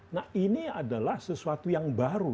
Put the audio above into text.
nah ini adalah sesuatu yang baru